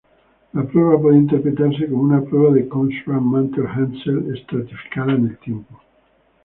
La prueba puede interpretarse como una prueba de Cochran–Mantel–Haenszel estratificada en el tiempo.